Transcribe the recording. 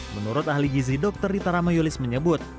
menurut ahli gizi dr ritarama yulis menyebut